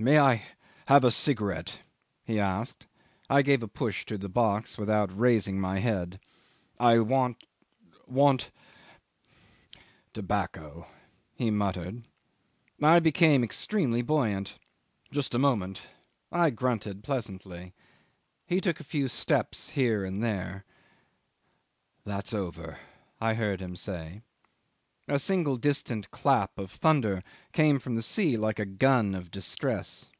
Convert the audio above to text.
"May I have a cigarette?" he asked. I gave a push to the box without raising my head. "I want want tobacco," he muttered. I became extremely buoyant. "Just a moment." I grunted pleasantly. He took a few steps here and there. "That's over," I heard him say. A single distant clap of thunder came from the sea like a gun of distress.